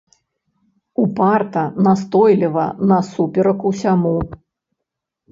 Упарта, настойліва, насуперак усяму.